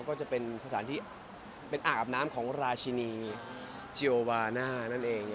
ก็จะเป็นสถานที่เป็นอ่างอาบน้ำของราชินีเจโอวาน่านั่นเอง